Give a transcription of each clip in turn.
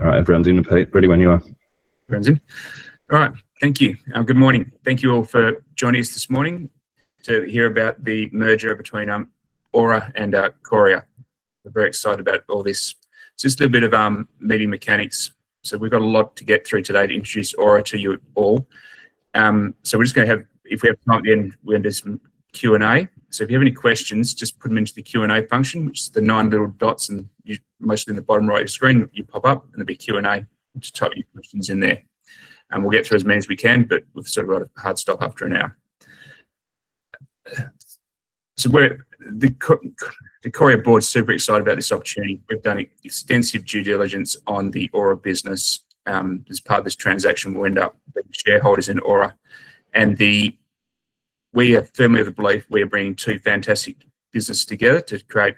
All right, Pete. Ready when you are. All right. Thank you. Good morning. Thank you all for joining us this morning to hear about the merger between Aura and Qoria. We're very excited about all this. It's just a bit of meeting mechanics. So we've got a lot to get through today to introduce Aura to you all. So we're just going to have, if we have time at the end, we'll do some Q&A. So if you have any questions, just put them into the Q&A function, which is the nine little dots mostly in the bottom right of your screen. You pop up, and there'll be Q&A. Just type your questions in there. And we'll get through as many as we can, but we've sort of got a hard stop after an hour. So the Qoria board's super excited about this opportunity. We've done extensive due diligence on the Aura business as part of this transaction. We'll end up being shareholders in Aura. We are firmly of the belief we are bringing two fantastic businesses together to create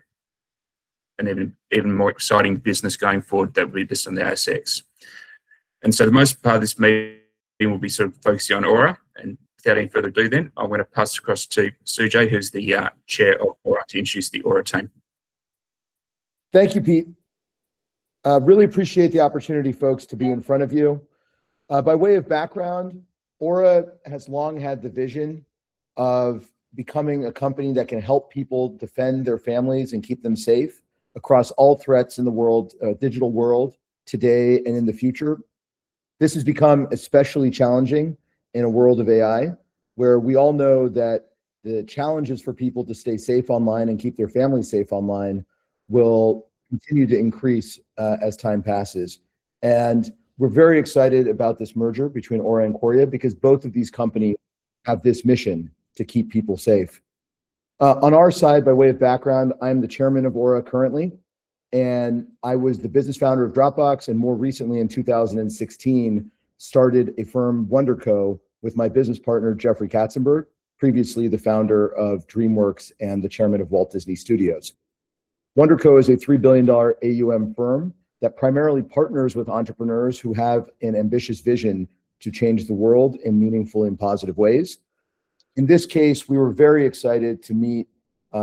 an even more exciting business going forward that will be based on the ASX. So the most part of this meeting will be sort of focusing on Aura. Without any further ado, then, I'm going to pass across to Sujay, who's the chair of Aura, to introduce the Aura team. Thank you, Pete. Really appreciate the opportunity, folks, to be in front of you. By way of background, Aura has long had the vision of becoming a company that can help people defend their families and keep them safe across all threats in the digital world today and in the future. This has become especially challenging in a world of AI, where we all know that the challenges for people to stay safe online and keep their families safe online will continue to increase as time passes. And we're very excited about this merger between Aura and Qoria because both of these companies have this mission to keep people safe. On our side, by way of background, I'm the Chairman of Aura currently. I was the business founder of Dropbox and more recently, in 2016, started a firm, WndrCo, with my business partner, Jeffrey Katzenberg, previously the founder of DreamWorks and the chairman of Walt Disney Studios. WndrCo is a $3 billion AUM firm that primarily partners with entrepreneurs who have an ambitious vision to change the world in meaningful and positive ways. In this case, we were very excited to meet,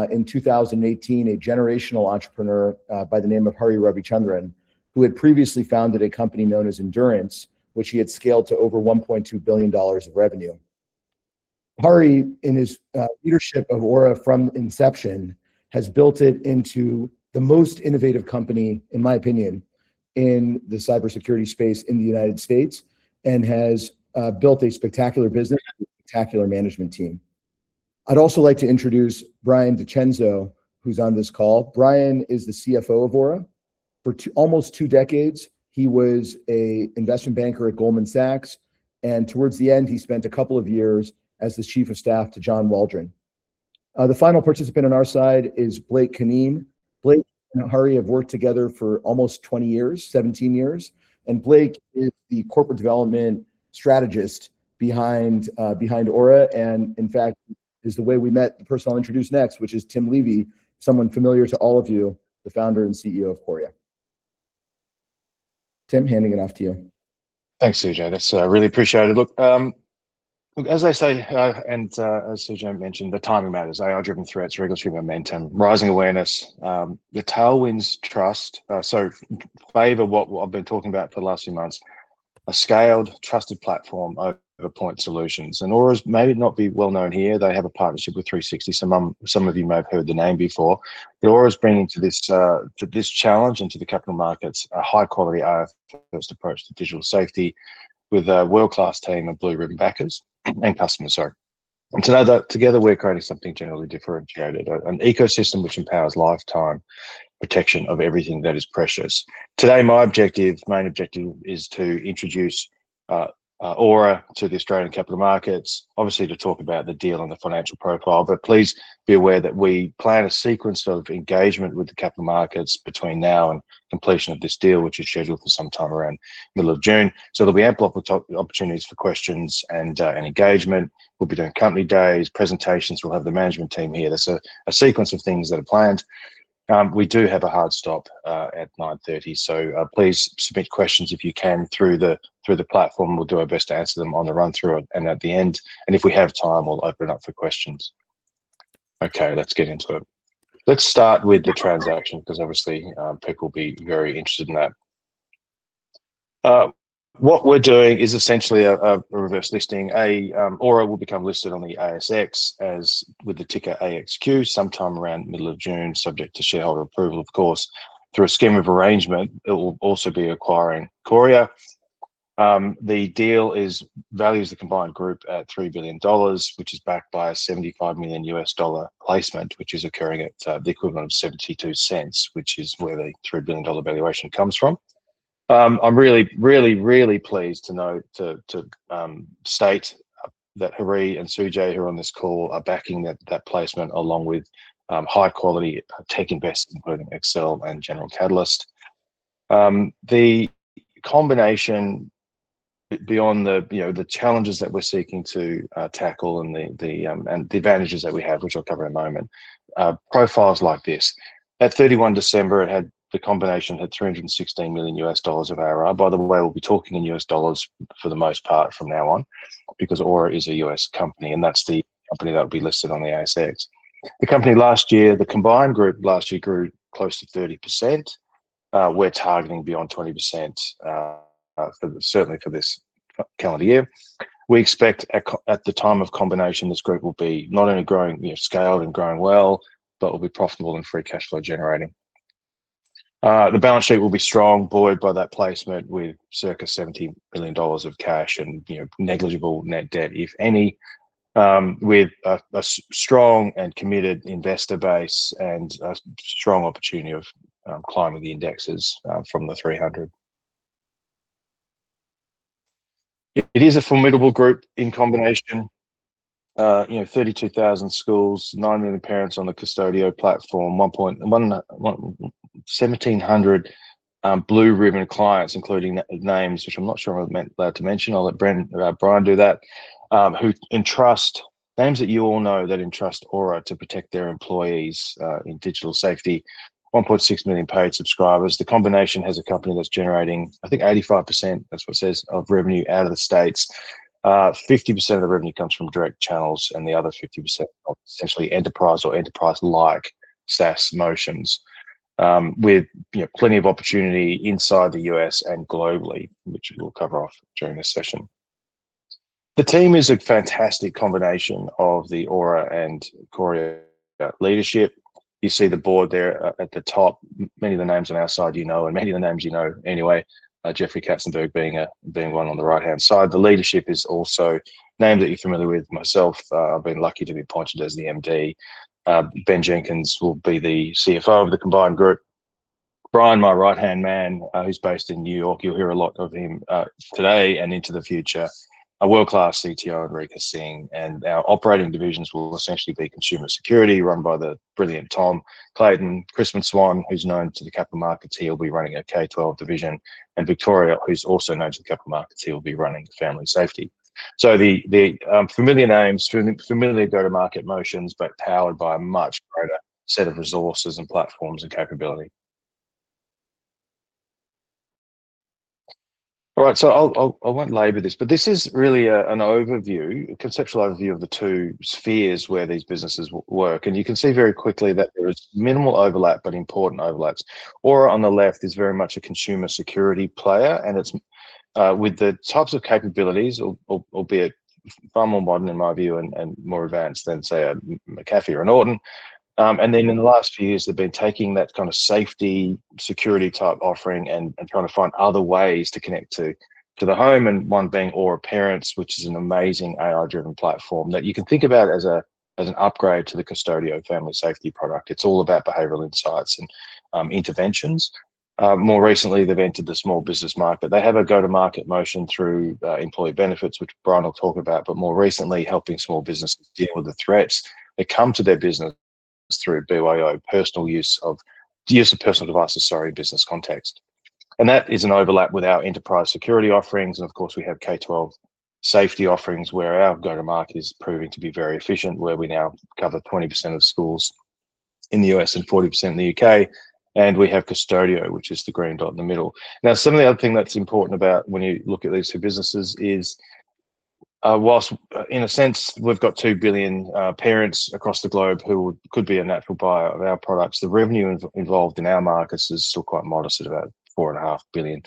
in 2018, a generational entrepreneur by the name of Hari Ravichandran, who had previously founded a company known as Endurance, which he had scaled to over $1.2 billion of revenue. Hari, in his leadership of Aura from inception, has built it into the most innovative company, in my opinion, in the cybersecurity space in the United States and has built a spectacular business and a spectacular management team. I'd also like to introduce Brian DeCenzo, who's on this call. Brian is the CFO of Aura. For almost two decades, he was an investment banker at Goldman Sachs. Towards the end, he spent a couple of years as the chief of staff to John Waldron. The final participant on our side is Blake Cunneen. Blake and Hari have worked together for almost 20 years, 17 years. Blake is the corporate development strategist behind Aura. In fact, is the way we met the person I'll introduce next, which is Tim Levy, someone familiar to all of you, the founder and CEO of Qoria. Tim, handing it off to you. Thanks, Sujay. That's really appreciated. Look, as I say, and as Sujay mentioned, the timing matters. AI-driven threats, regulatory momentum, rising awareness. The tailwinds trust so flavor what I've been talking about for the last few months, a scaled, trusted platform over point solutions. Aura may not be well known here. They have a partnership with 360. Some of you may have heard the name before. But Aura's bringing to this challenge and to the capital markets a high-quality IFRS approach to digital safety with a world-class team of blue-ribbon backers and customers, sorry. Together, we're creating something generally differentiated, an ecosystem which empowers lifetime protection of everything that is precious. Today, my main objective is to introduce Aura to the Australian capital markets, obviously to talk about the deal and the financial profile. Please be aware that we plan a sequence of engagement with the capital markets between now and completion of this deal, which is scheduled for some time around middle of June. There'll be ample opportunities for questions and engagement. We'll be doing company days, presentations. We'll have the management team here. That's a sequence of things that are planned. We do have a hard stop at 9:30 A.M. Please submit questions if you can through the platform. We'll do our best to answer them on the run-through and at the end. If we have time, we'll open it up for questions. Okay, let's get into it. Let's start with the transaction because, obviously, people will be very interested in that. What we're doing is essentially a reverse listing. Aura will become listed on the ASX with the ticker AXQ sometime around middle of June, subject to shareholder approval, of course. Through a scheme of arrangement, it will also be acquiring Qoria. The deal values the combined group at $3 billion, which is backed by a $75 million placement, which is occurring at the equivalent of $0.72, which is where the $3 billion valuation comes from. I'm really, really, really pleased to state that Hari and Sujay, who are on this call, are backing that placement along with high-quality tech investors, including Accel and General Catalyst. The combination, beyond the challenges that we're seeking to tackle and the advantages that we have, which I'll cover in a moment, profiles like this. At 31 December, the combination had $316 million of ARR. By the way, we'll be talking in U.S. dollars for the most part from now on because Aura is a U.S. company. That's the company that will be listed on the ASX. The company last year, the combined group last year grew close to 30%. We're targeting beyond 20%, certainly for this calendar year. We expect, at the time of combination, this group will be not only scaled and growing well, but will be profitable and free cash flow generating. The balance sheet will be strong buoyed by that placement with circa $70 million of cash and negligible net debt, if any, with a strong and committed investor base and a strong opportunity of climbing the indexes from the 300. It is a formidable group in combination: 32,000 schools, 9 million parents on the Qustodio platform, 1,700 blue-ribbon clients, including names, which I'm not sure I'm allowed to mention. I'll let Brian do that, with names that you all know that entrust Aura to protect their employees in digital safety: 1.6 million paid subscribers. The combination has a company that's generating, I think, 85%, that's what it says, of revenue out of the States. 50% of the revenue comes from direct channels, and the other 50% are essentially enterprise or enterprise-like SaaS motions with plenty of opportunity inside the U.S. and globally, which we'll cover off during this session. The team is a fantastic combination of the Aura and Qoria leadership. You see the board there at the top. Many of the names on our side, you know. And many of the names you know anyway, Jeffrey Katzenberg being one on the right-hand side. The leadership is also names that you're familiar with. Myself, I've been lucky to be appointed as the MD. Ben Jenkins will be the CFO of the combined group. Brian, my right-hand man, who's based in New York. You'll hear a lot of him today and into the future. A world-class CTO, Rekha Singh. Our operating divisions will essentially be consumer security, run by the brilliant Tom Clayton, Crispin Swan, who's known to the capital markets. He'll be running a K-12 division. And Vittorio, who's also known to the capital markets. He'll be running family safety. So the familiar names, familiar go-to-market motions, but powered by a much greater set of resources and platforms and capability. All right. So I won't labor this. But this is really an overview, a conceptual overview of the two spheres where these businesses work. And you can see very quickly that there is minimal overlap, but important overlaps. Aura, on the left, is very much a consumer security player. With the types of capabilities, albeit far more modern in my view and more advanced than, say, a McAfee or a Norton. Then in the last few years, they've been taking that kind of safety, security-type offering and trying to find other ways to connect to the home. One being Aura Parents, which is an amazing AI-driven platform that you can think about as an upgrade to the Qustodio family safety product. It's all about behavioral insights and interventions. More recently, they've entered the small business market. They have a go-to-market motion through employee benefits, which Brian will talk about. But more recently, helping small businesses deal with the threats that come to their business through BYO use of personal devices, sorry, business context. And that is an overlap with our enterprise security offerings. Of course, we have K-12 safety offerings, where our go-to-market is proving to be very efficient, where we now cover 20% of schools in the U.S. and 40% in the U.K. We have Qustodio, which is the green dot in the middle. Now, some of the other thing that's important about when you look at these two businesses is, while in a sense, we've got 2 billion parents across the globe who could be a natural buyer of our products, the revenue involved in our markets is still quite modest, at about $4.5 billion.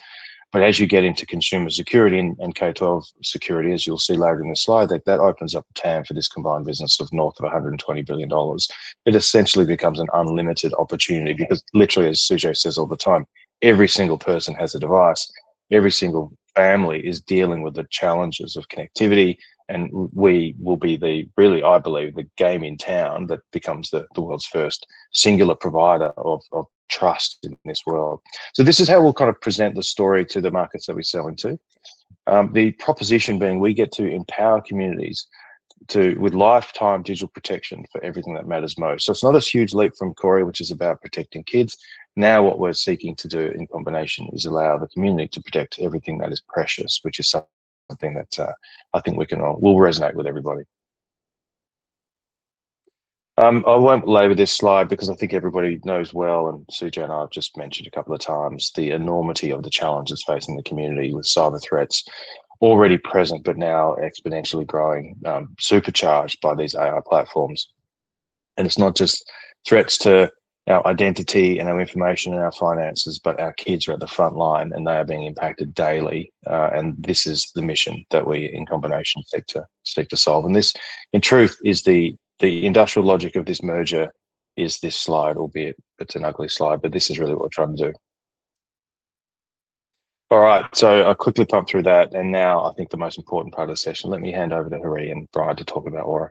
As you get into consumer security and K-12 security, as you'll see later in this slide, that opens up a TAM for this combined business of north of $120 billion. It essentially becomes an unlimited opportunity because, literally, as Sujay says all the time, every single person has a device. Every single family is dealing with the challenges of connectivity. We will be the, really, I believe, the game in town that becomes the world's first singular provider of trust in this world. This is how we'll kind of present the story to the markets that we're selling to, the proposition being we get to empower communities with lifetime digital protection for everything that matters most. It's not a huge leap from Qoria, which is about protecting kids. Now, what we're seeking to do in combination is allow the community to protect everything that is precious, which is something that I think will resonate with everybody. I won't labor this slide because I think everybody knows well. Sujay and I have just mentioned a couple of times the enormity of the challenges facing the community with cyber threats already present, but now exponentially growing, supercharged by these AI platforms. It's not just threats to our identity and our information and our finances, but our kids are at the front line, and they are being impacted daily. This is the mission that we, in combination, seek to solve. This, in truth, is the industrial logic of this merger, is this slide, albeit it's an ugly slide. But this is really what we're trying to do. All right. I'll quickly pump through that. Now, I think, the most important part of the session. Let me hand over to Hari and Brian to talk about Aura.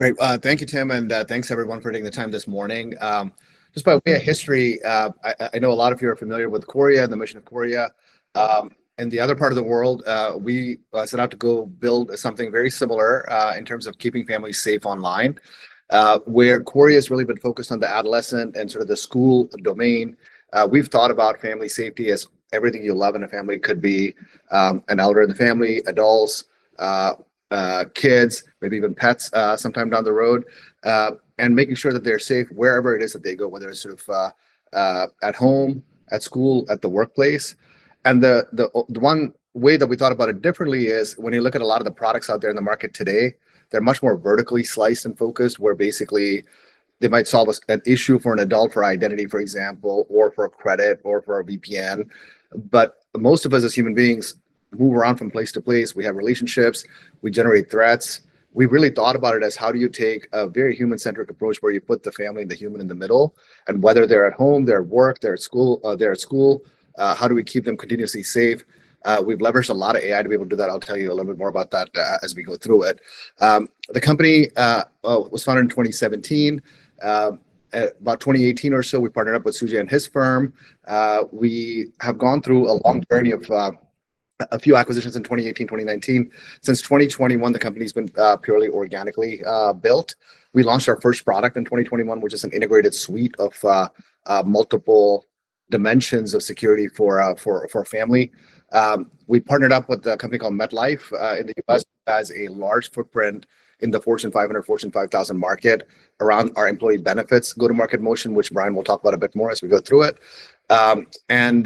Great. Thank you, Tim. And thanks, everyone, for taking the time this morning. Just by way of history, I know a lot of you are familiar with Qoria and the mission of Qoria. In the other part of the world, we set out to go build something very similar in terms of keeping families safe online, where Qoria has really been focused on the adolescent and sort of the school domain. We've thought about family safety as everything you love in a family could be an elder in the family, adults, kids, maybe even pets sometime down the road, and making sure that they're safe wherever it is that they go, whether it's sort of at home, at school, at the workplace. The one way that we thought about it differently is, when you look at a lot of the products out there in the market today, they're much more vertically sliced and focused, where basically they might solve an issue for an adult, for identity, for example, or for credit or for a VPN. But most of us, as human beings, move around from place to place. We have relationships. We generate threats. We really thought about it as, how do you take a very human-centric approach, where you put the family and the human in the middle, and whether they're at home, they're at work, they're at school, how do we keep them continuously safe? We've leveraged a lot of AI to be able to do that. I'll tell you a little bit more about that as we go through it. The company was founded in 2017. About 2018 or so, we partnered up with Sujay and his firm. We have gone through a long journey of a few acquisitions in 2018, 2019. Since 2021, the company's been purely organically built. We launched our first product in 2021, which is an integrated suite of multiple dimensions of security for a family. We partnered up with a company called MetLife in the U.S., which has a large footprint in the Fortune 500, Fortune 5000 market around our employee benefits, go-to-market motion, which Brian will talk about a bit more as we go through it. In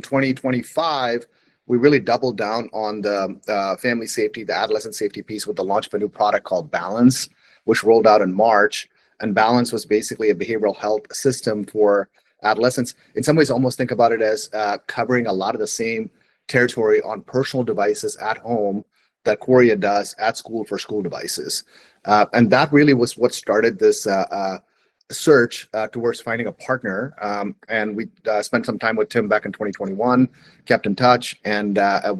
2025, we really doubled down on the family safety, the adolescent safety piece, with the launch of a new product called Balance, which rolled out in March. Balance was basically a behavioral health system for adolescents. In some ways, almost think about it as covering a lot of the same territory on personal devices at home that Qoria does at school for school devices. That really was what started this search towards finding a partner. We spent some time with Tim back in 2021, kept in touch. After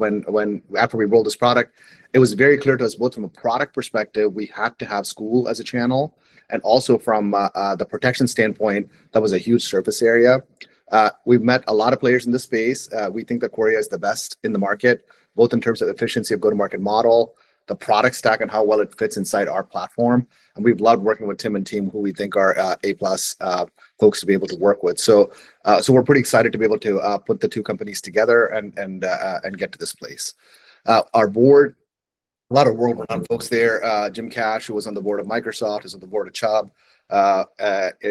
we rolled this product, it was very clear to us, both from a product perspective, we have to have school as a channel. Also from the protection standpoint, that was a huge surface area. We've met a lot of players in this space. We think that Qoria is the best in the market, both in terms of efficiency of go-to-market model, the product stack, and how well it fits inside our platform. We've loved working with Tim and team, who we think are A-plus folks to be able to work with. So we're pretty excited to be able to put the two companies together and get to this place. Our board, a lot of world-renowned folks there, Jim Cash, who was on the board of Microsoft, is on the board of Chubb.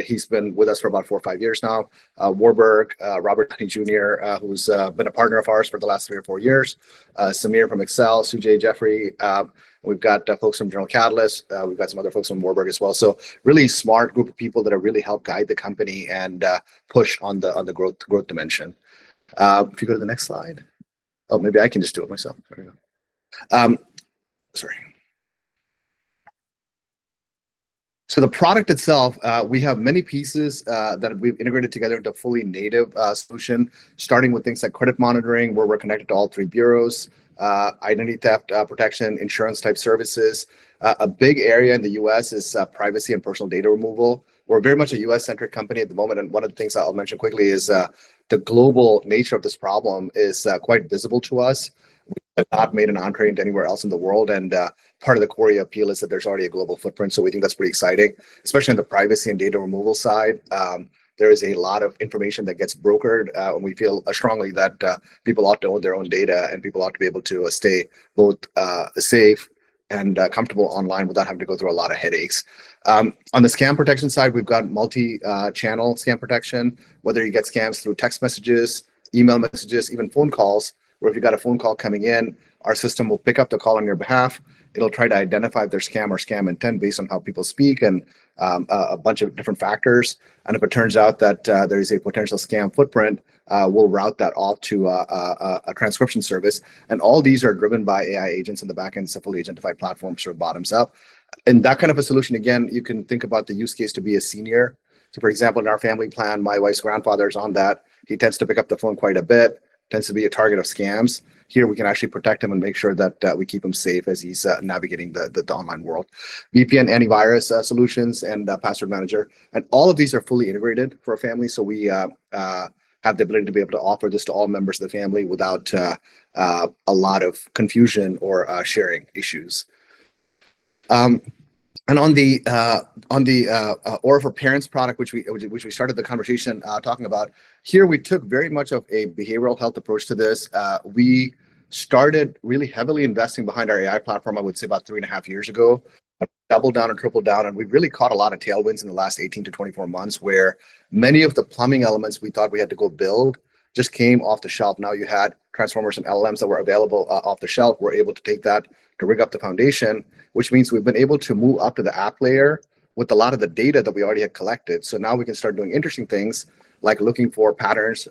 He's been with us for about four or five years now. Warburg, Robert Downey Jr., who's been a partner of ours for the last three or four years. Samir from Accel, Sujay, Jeffrey. We've got folks from General Catalyst. We've got some other folks from Warburg as well. So really smart group of people that have really helped guide the company and push on the growth dimension. If you go to the next slide oh, maybe I can just do it myself. There we go. Sorry. So the product itself, we have many pieces that we've integrated together into a fully native solution, starting with things like credit monitoring, where we're connected to all three bureaus, identity theft protection, insurance-type services. A big area in the U.S. is privacy and personal data removal. We're very much a U.S.-centric company at the moment. And one of the things I'll mention quickly is the global nature of this problem is quite visible to us. We have not made an entrée anywhere else in the world. And part of the Qoria appeal is that there's already a global footprint. So we think that's pretty exciting, especially on the privacy and data removal side. There is a lot of information that gets brokered. We feel strongly that people ought to own their own data, and people ought to be able to stay both safe and comfortable online without having to go through a lot of headaches. On the scam protection side, we've got multi-channel scam protection, whether you get scams through text messages, email messages, even phone calls, where if you've got a phone call coming in, our system will pick up the call on your behalf. It'll try to identify if they're scam or scam intent based on how people speak and a bunch of different factors. If it turns out that there is a potential scam footprint, we'll route that off to a transcription service. All these are driven by AI agents in the back end, so fully identified platforms sort of bottoms up. In that kind of a solution, again, you can think about the use case to be a senior. So, for example, in our family plan, my wife's grandfather is on that. He tends to pick up the phone quite a bit, tends to be a target of scams. Here, we can actually protect him and make sure that we keep him safe as he's navigating the online world. VPN, antivirus solutions, and password manager. And all of these are fully integrated for a family. So we have the ability to be able to offer this to all members of the family without a lot of confusion or sharing issues. And on the Aura Parents product, which we started the conversation talking about, here, we took very much of a behavioral health approach to this. We started really heavily investing behind our AI platform, I would say, about 3.5 years ago, doubled down and tripled down. We've really caught a lot of tailwinds in the last 18-24 months, where many of the plumbing elements we thought we had to go build just came off the shelf. Now, you had transformers and LLMs that were available off the shelf. We're able to take that to rig up the foundation, which means we've been able to move up to the app layer with a lot of the data that we already had collected. So now, we can start doing interesting things, like looking for patterns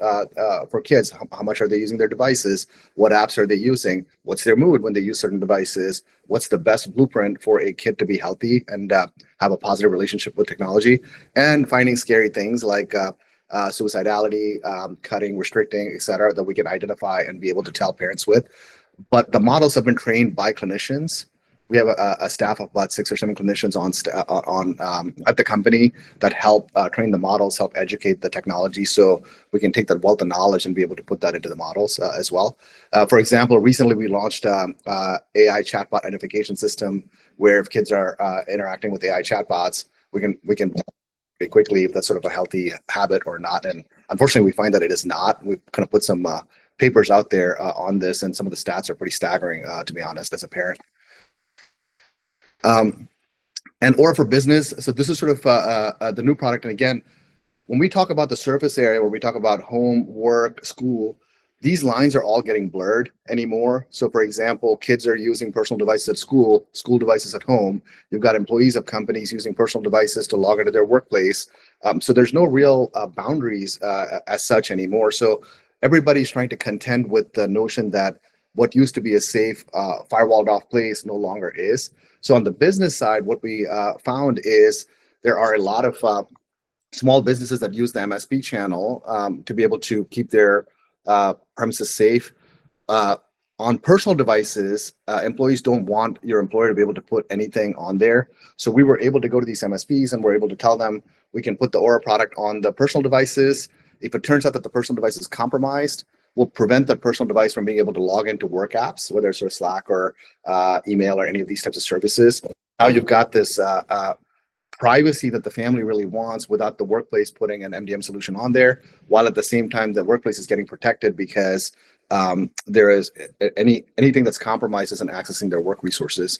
for kids. How much are they using their devices? What apps are they using? What's their mood when they use certain devices? What's the best blueprint for a kid to be healthy and have a positive relationship with technology? And finding scary things like suicidality, cutting, restricting, etc., that we can identify and be able to tell parents with. But the models have been trained by clinicians. We have a staff of about six or seven clinicians at the company that help train the models, help educate the technology, so we can take that wealth of knowledge and be able to put that into the models as well. For example, recently, we launched an AI chatbot identification system, where if kids are interacting with AI chatbots, we can tell pretty quickly if that's sort of a healthy habit or not. And unfortunately, we find that it is not. We've kind of put some papers out there on this. And some of the stats are pretty staggering, to be honest, as a parent. Aura for Business. So this is sort of the new product. And again, when we talk about the surface area, where we talk about home, work, school, these lines are all getting blurred anymore. So, for example, kids are using personal devices at school, school devices at home. You've got employees of companies using personal devices to log into their workplace. So there's no real boundaries as such anymore. So everybody's trying to contend with the notion that what used to be a safe, firewalled-off place no longer is. So on the business side, what we found is there are a lot of small businesses that use the MSP channel to be able to keep their premises safe. On personal devices, employees don't want your employer to be able to put anything on there. So we were able to go to these MSPs, and we're able to tell them, "We can put the Aura product on the personal devices. If it turns out that the personal device is compromised, we'll prevent that personal device from being able to log into work apps, whether it's sort of Slack or email or any of these types of services." Now, you've got this privacy that the family really wants without the workplace putting an MDM solution on there, while at the same time, the workplace is getting protected because there is anything that's compromised isn't accessing their work resources.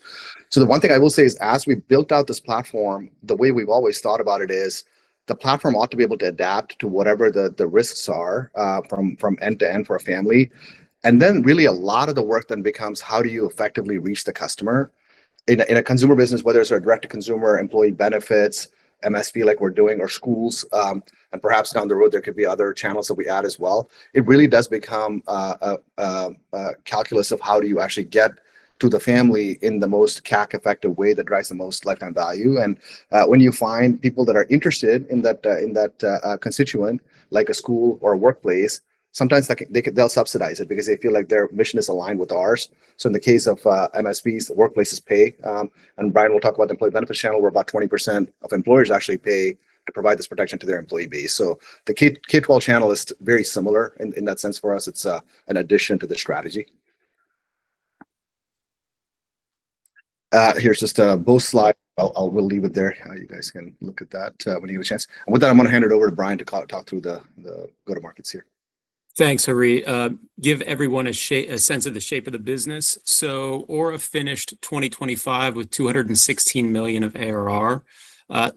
So the one thing I will say is, as we built out this platform, the way we've always thought about it is the platform ought to be able to adapt to whatever the risks are from end to end for a family. And then really, a lot of the work then becomes, how do you effectively reach the customer? In a consumer business, whether it's our direct-to-consumer employee benefits, MSP like we're doing, or schools, and perhaps down the road, there could be other channels that we add as well, it really does become a calculus of, how do you actually get to the family in the most CAC-effective way that drives the most lifetime value? And when you find people that are interested in that constituent, like a school or a workplace, sometimes they'll subsidize it because they feel like their mission is aligned with ours. So in the case of MSPs, the workplaces pay. And Brian will talk about the employee benefits channel, where about 20% of employers actually pay to provide this protection to their employee base. So the K-12 channel is very similar in that sense for us. It's an addition to the strategy. Here's just both slides. I will leave it there. You guys can look at that when you have a chance. With that, I'm going to hand it over to Brian to talk through the go-to-markets here. Thanks, Hari. Give everyone a sense of the shape of the business. So Aura finished 2025 with $216 million of ARR.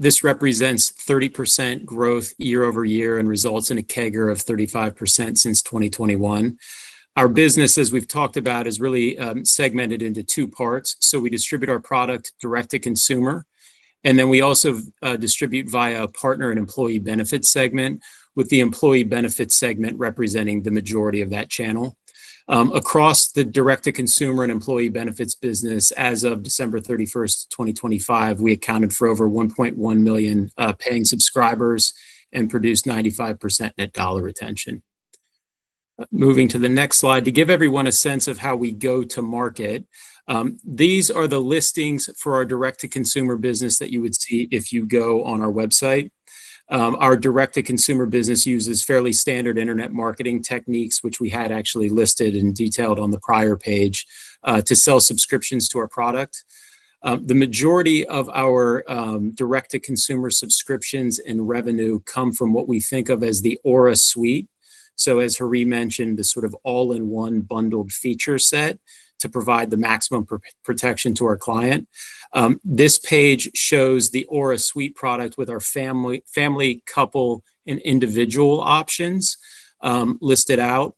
This represents 30% growth year-over-year and results in a CAGR of 35% since 2021. Our business, as we've talked about, is really segmented into two parts. So we distribute our product direct to consumer. And then we also distribute via a partner and employee benefits segment, with the employee benefits segment representing the majority of that channel. Across the direct-to-consumer and employee benefits business, as of December 31st, 2025, we accounted for over 1.1 million paying subscribers and produced 95% net dollar retention. Moving to the next slide, to give everyone a sense of how we go to market, these are the listings for our direct-to-consumer business that you would see if you go on our website. Our direct-to-consumer business uses fairly standard internet marketing techniques, which we had actually listed and detailed on the prior page, to sell subscriptions to our product. The majority of our direct-to-consumer subscriptions and revenue come from what we think of as the Aura Suite. So, as Hari mentioned, the sort of all-in-one bundled feature set to provide the maximum protection to our client. This page shows the Aura Suite product with our family couple and individual options listed out.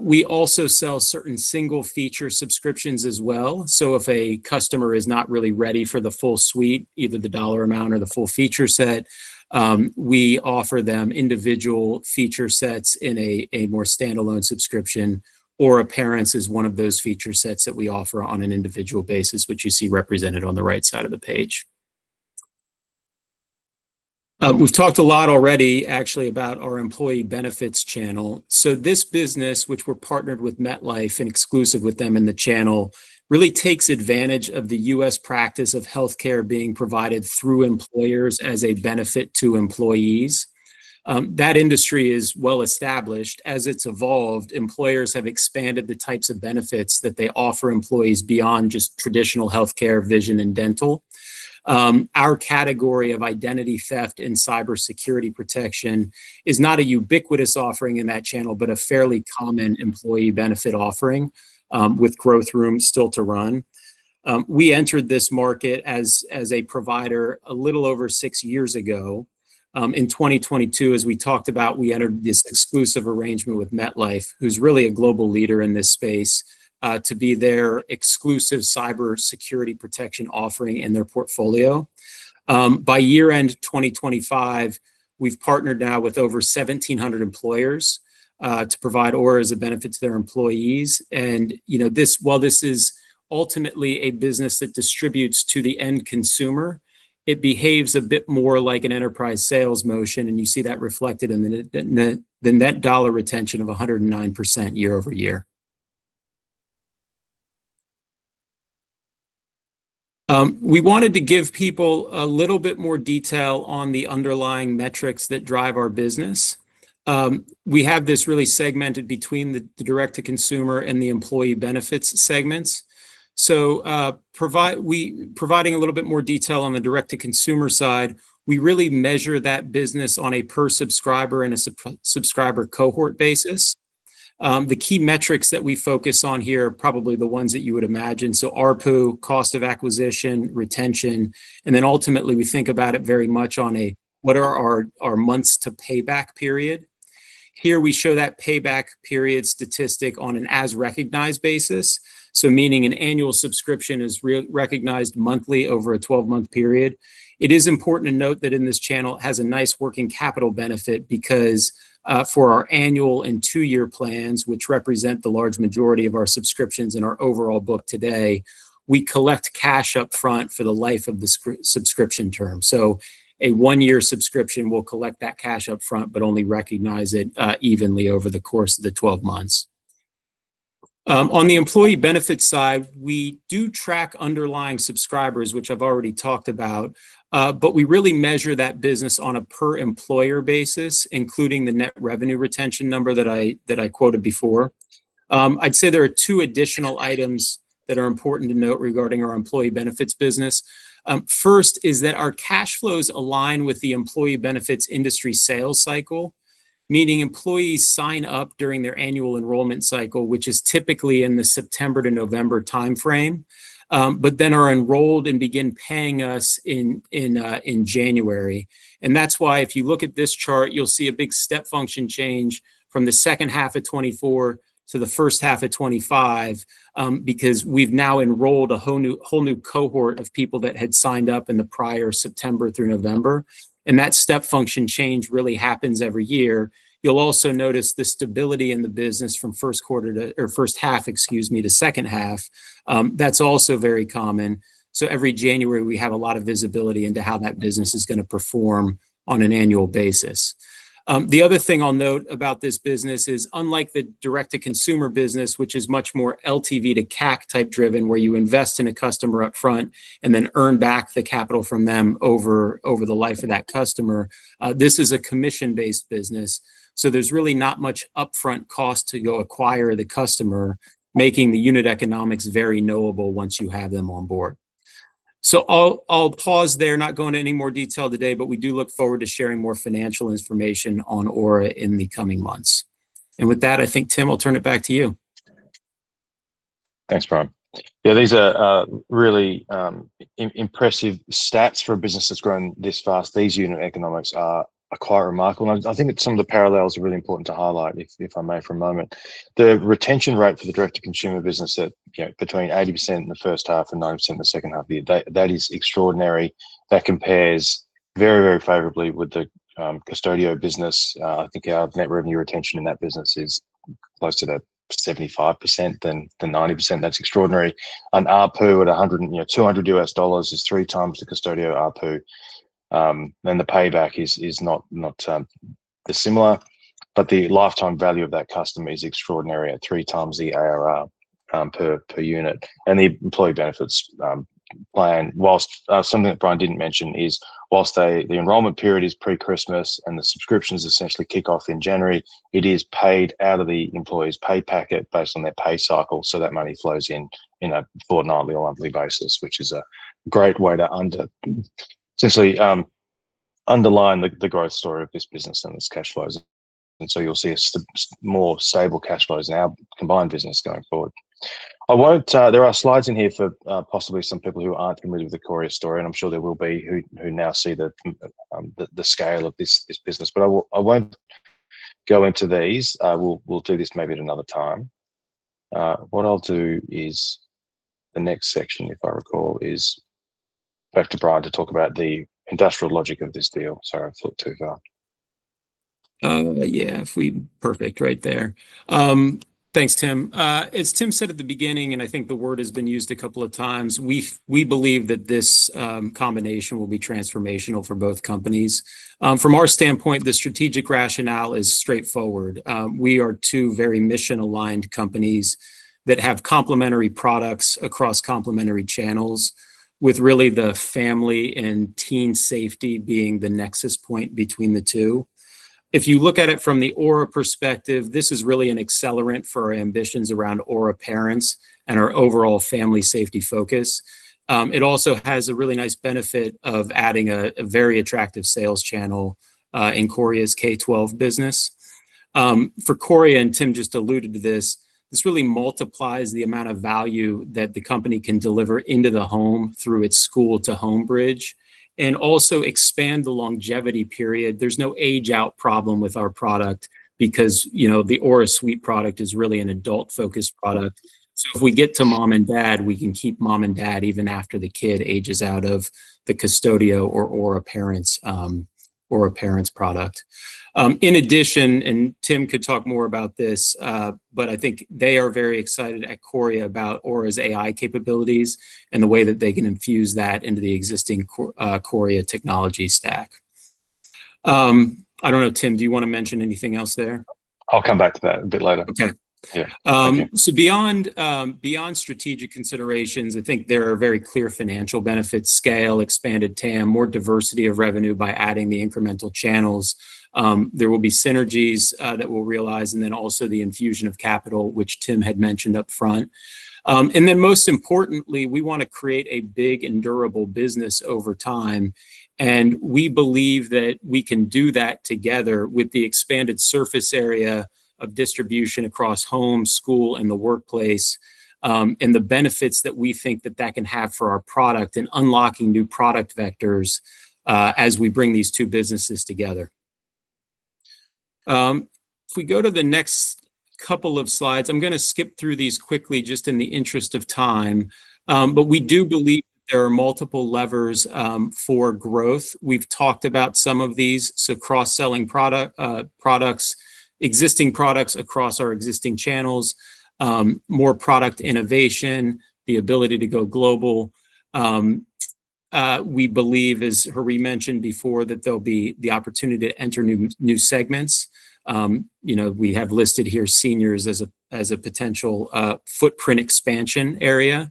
We also sell certain single-feature subscriptions as well. So if a customer is not really ready for the full suite, either the dollar amount or the full feature set, we offer them individual feature sets in a more standalone subscription. Aura Parents is one of those feature sets that we offer on an individual basis, which you see represented on the right side of the page. We've talked a lot already, actually, about our employee benefits channel. So this business, which we're partnered with MetLife and exclusive with them in the channel, really takes advantage of the U.S. practice of healthcare being provided through employers as a benefit to employees. That industry is well established. As it's evolved, employers have expanded the types of benefits that they offer employees beyond just traditional healthcare, vision, and dental. Our category of identity theft and cybersecurity protection is not a ubiquitous offering in that channel, but a fairly common employee benefit offering, with growth room still to run. We entered this market as a provider a little over six years ago. In 2022, as we talked about, we entered this exclusive arrangement with MetLife, who's really a global leader in this space, to be their exclusive cybersecurity protection offering in their portfolio. By year-end 2025, we've partnered now with over 1,700 employers to provide Aura as a benefit to their employees. While this is ultimately a business that distributes to the end consumer, it behaves a bit more like an enterprise sales motion. You see that reflected in the net dollar retention of 109% year-over-year. We wanted to give people a little bit more detail on the underlying metrics that drive our business. We have this really segmented between the direct-to-consumer and the employee benefits segments. So providing a little bit more detail on the direct-to-consumer side, we really measure that business on a per-subscriber and a subscriber cohort basis. The key metrics that we focus on here are probably the ones that you would imagine. So ARPU, cost of acquisition, retention. And then ultimately, we think about it very much on a, what are our months to payback period? Here, we show that payback period statistic on an as-recognized basis, so meaning an annual subscription is recognized monthly over a 12-month period. It is important to note that in this channel, it has a nice working capital benefit because for our annual and two-year plans, which represent the large majority of our subscriptions in our overall book today, we collect cash upfront for the life of the subscription term. So a one-year subscription will collect that cash upfront, but only recognize it evenly over the course of the 12 months. On the employee benefits side, we do track underlying subscribers, which I've already talked about. But we really measure that business on a per-employer basis, including the net revenue retention number that I quoted before. I'd say there are two additional items that are important to note regarding our employee benefits business. First is that our cash flows align with the employee benefits industry sales cycle, meaning employees sign up during their annual enrollment cycle, which is typically in the September to November time frame, but then are enrolled and begin paying us in January. And that's why if you look at this chart, you'll see a big step function change from the second half of 2024 to the first half of 2025 because we've now enrolled a whole new cohort of people that had signed up in the prior September through November. And that step function change really happens every year. You'll also notice the stability in the business from first quarter to or first half, excuse me, to second half. That's also very common. Every January, we have a lot of visibility into how that business is going to perform on an annual basis. The other thing I'll note about this business is, unlike the direct-to-consumer business, which is much more LTV to CAC-type driven, where you invest in a customer upfront and then earn back the capital from them over the life of that customer, this is a commission-based business. There's really not much upfront cost to go acquire the customer, making the unit economics very knowable once you have them on board. I'll pause there, not going into any more detail today. We do look forward to sharing more financial information on Aura in the coming months. With that, I think, Tim, I'll turn it back to you. Thanks, Brian. Yeah, these are really impressive stats for a business that's grown this fast. These unit economics are quite remarkable. I think some of the parallels are really important to highlight, if I may, for a moment. The retention rate for the direct-to-consumer business, between 80% in the first half and 90% in the second half of the year, that is extraordinary. That compares very, very favorably with the Qustodio business. I think our net revenue retention in that business is close to that 75% than 90%. That's extraordinary. An ARPU at $200 is three times the Qustodio ARPU. The payback is not dissimilar. But the lifetime value of that customer is extraordinary, at three times the ARR per unit. The employee benefits plan, something that Brian didn't mention, is while the enrollment period is pre-Christmas and the subscriptions essentially kick off in January, it is paid out of the employee's pay packet based on their pay cycle. So that money flows in on a fortnightly or monthly basis, which is a great way to essentially underline the growth story of this business and its cash flows. And so you'll see more stable cash flows in our combined business going forward. There are slides in here for possibly some people who aren't familiar with the Qoria story. And I'm sure there will be who now see the scale of this business. But I won't go into these. We'll do this maybe at another time. What I'll do is, the next section, if I recall, is back to Brian to talk about the industrial logic of this deal. Sorry, I thought too far. Yeah, perfect right there. Thanks, Tim. As Tim said at the beginning, and I think the word has been used a couple of times, we believe that this combination will be transformational for both companies. From our standpoint, the strategic rationale is straightforward. We are two very mission-aligned companies that have complementary products across complementary channels, with really the family and teen safety being the nexus point between the two. If you look at it from the Aura perspective, this is really an accelerant for our ambitions around Aura Parents and our overall family safety focus. It also has a really nice benefit of adding a very attractive sales channel in Qoria's K-12 business. For Qoria, and Tim just alluded to this, this really multiplies the amount of value that the company can deliver into the home through its school-to-home bridge and also expand the longevity period. There's no age-out problem with our product because the Aura Suite product is really an adult-focused product. So if we get to mom and dad, we can keep mom and dad even after the kid ages out of the Qustodio or Aura Parents product. In addition, and Tim could talk more about this, but I think they are very excited at Qoria about Aura's AI capabilities and the way that they can infuse that into the existing Qoria technology stack. I don't know, Tim, do you want to mention anything else there? I'll come back to that a bit later. Okay. So beyond strategic considerations, I think there are very clear financial benefits: scale, expanded TAM, more diversity of revenue by adding the incremental channels. There will be synergies that we'll realize, and then also the infusion of capital, which Tim had mentioned upfront. And then most importantly, we want to create a big and durable business over time. And we believe that we can do that together with the expanded surface area of distribution across home, school, and the workplace, and the benefits that we think that that can have for our product and unlocking new product vectors as we bring these two businesses together. If we go to the next couple of slides, I'm going to skip through these quickly just in the interest of time. But we do believe that there are multiple levers for growth. We've talked about some of these, so cross-selling products, existing products across our existing channels, more product innovation, the ability to go global. We believe, as Hari mentioned before, that there'll be the opportunity to enter new segments. We have listed here seniors as a potential footprint expansion area.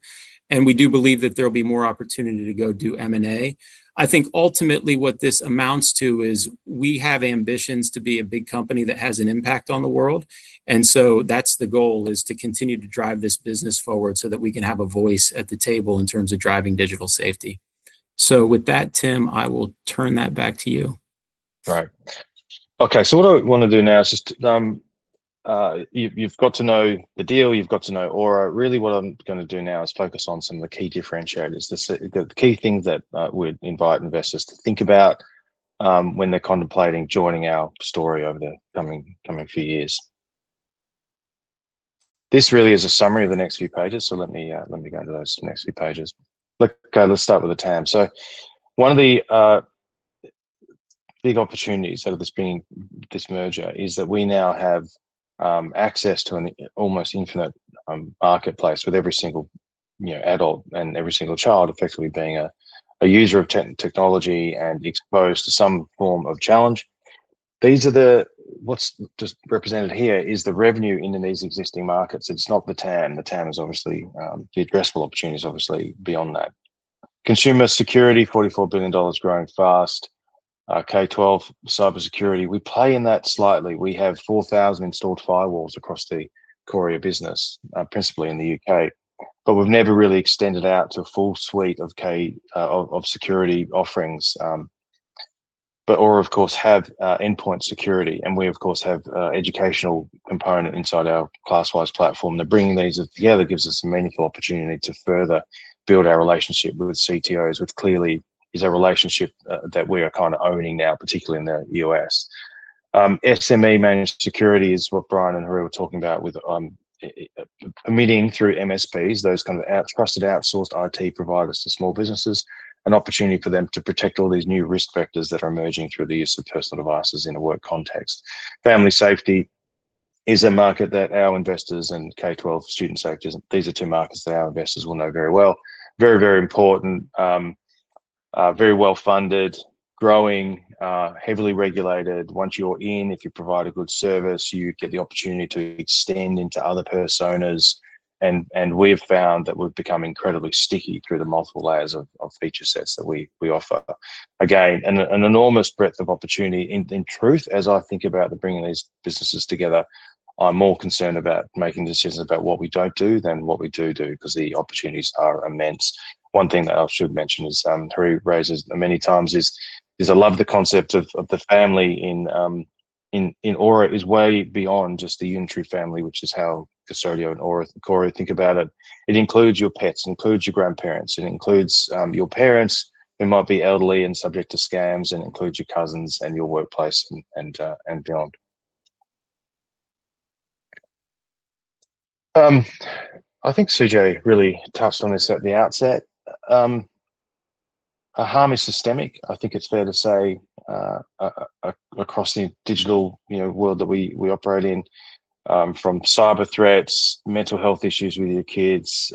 And we do believe that there'll be more opportunity to go do M&A. I think ultimately what this amounts to is we have ambitions to be a big company that has an impact on the world. And so that's the goal, is to continue to drive this business forward so that we can have a voice at the table in terms of driving digital safety. So with that, Tim, I will turn that back to you. All right. Okay. So what I want to do now is just you've got to know the deal. You've got to know Aura. Really, what I'm going to do now is focus on some of the key differentiators, the key things that would invite investors to think about when they're contemplating joining our story over the coming few years. This really is a summary of the next few pages. So let me go to those next few pages. Okay, let's start with the TAM. So one of the big opportunities out of this merger is that we now have access to an almost infinite marketplace with every single adult and every single child effectively being a user of technology and exposed to some form of challenge. What's just represented here is the revenue in these existing markets. It's not the TAM. The TAM is obviously the addressable opportunities, obviously, beyond that. Consumer security, $44 billion growing fast, K-12 cybersecurity. We play in that slightly. We have 4,000 installed firewalls across the Qoria business, principally in the U.K. But we've never really extended out to a full suite of security offerings. But Aura, of course, have endpoint security. And we, of course, have an educational component inside our Classwize platform. And bringing these together gives us a meaningful opportunity to further build our relationship with CTOs, which clearly is a relationship that we are kind of owning now, particularly in the U.S. SME managed security is what Brian and Hari were talking about with permitting through MSPs, those kind of trusted outsourced IT providers to small businesses, an opportunity for them to protect all these new risk vectors that are emerging through the use of personal devices in a work context. Family safety is a market that our investors and K-12 student sectors. These are two markets that our investors will know very well, very, very important, very well-funded, growing, heavily regulated. Once you're in, if you provide a good service, you get the opportunity to extend into other personas. And we have found that we've become incredibly sticky through the multiple layers of feature sets that we offer. Again, an enormous breadth of opportunity. In truth, as I think about bringing these businesses together, I'm more concerned about making decisions about what we don't do than what we do do because the opportunities are immense. One thing that I should mention, as Hari raises many times, is I love the concept of the family in Aura. It's way beyond just the unitary family, which is how Qustodio and Qoria think about it. It includes your pets. It includes your grandparents. It includes your parents who might be elderly and subject to scams. And it includes your cousins and your workplace and beyond. I think Sujay really touched on this at the outset. Harm is systemic, I think it's fair to say, across the digital world that we operate in, from cyber threats, mental health issues with your kids.